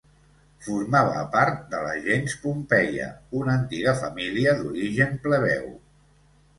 Formava part de la gens Pompeia, una antiga família d'origen plebeu.